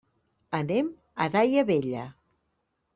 Anem a Daia Vella.